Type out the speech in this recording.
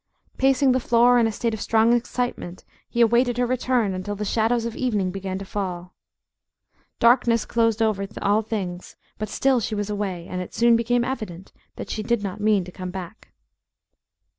Pacing the floor in a state of strong excitement, he awaited her return until the shadows of evening began to fall. Darkness closed over all things, but still she was away, and it soon became evident that she did not mean to come back.